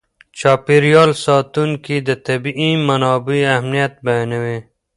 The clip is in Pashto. چاپېر یال ساتونکي د طبیعي منابعو اهمیت بیانوي.